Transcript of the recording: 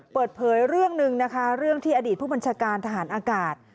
เปิดเผยเรื่องหนึ่งนะคะเรื่องที่อดีตผู้บัญชาการทหารอากาศ